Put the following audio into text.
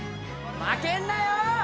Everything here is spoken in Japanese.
負けんなよ！